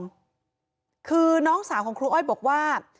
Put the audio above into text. มีเรื่องอะไรมาคุยกันรับได้ทุกอย่าง